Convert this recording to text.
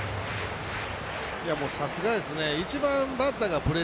さすがですね。